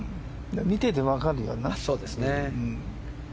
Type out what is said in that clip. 見ていて分かるよな。